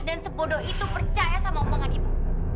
dan sebodoh itu percaya sama omongan ibu